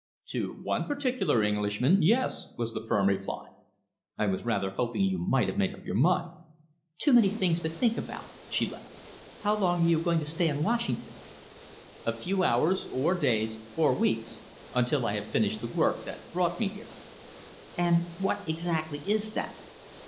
"To one particular Englishman, yes!" was the firm reply. "I was rather hoping you might have made up your mind." "Too many things to think about," she laughed. "How long are you going to stay in Washington?" "A few hours or days or weeks until I have finished the work that brought me here." "And what exactly is that?"